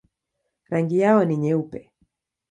Rangi yao ni nyeupe.